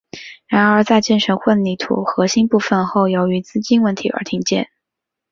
然而在建成混凝土核心部分后由于资金问题而停建。